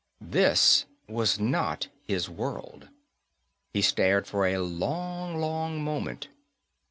This was not his world. He stared for a long, long moment.